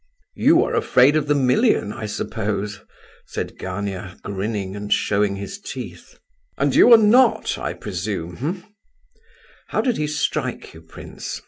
"You are afraid of the million, I suppose," said Gania, grinning and showing his teeth. "And you are not, I presume, eh?" "How did he strike you, prince?"